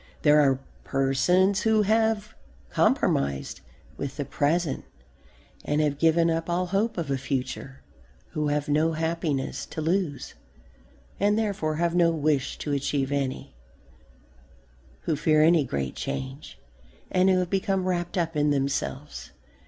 There are persons who have compromised with the present and have given up all hope of a future; who have no happiness to lose and therefore have no wish to achieve any; who fear any great change and who have become wrapped up in themselves.